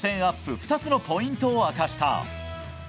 ２つのポイントを明かした。